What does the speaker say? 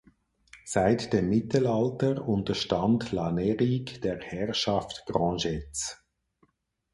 Seit dem Mittelalter unterstand La Neirigue der Herrschaft Grangettes.